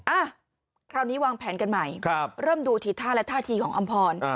อ่ะคราวนี้วางแผนกันใหม่เริ่มดูทีท่าและท่าทีของอำพร